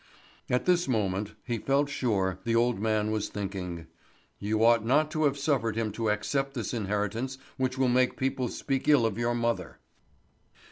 At this moment, he felt sure, the old man was thinking: "You ought not to have suffered him to accept this inheritance which will make people speak ill of your mother."